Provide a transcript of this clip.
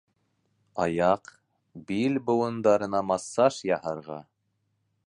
— Аяҡ, бил быуындарына массаж яһарға!